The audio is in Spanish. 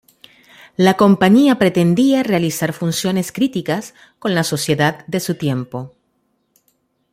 La compañía pretendía realizar funciones críticas con la sociedad de su tiempo.